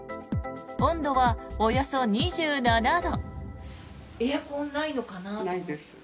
温度は、およそ２７度。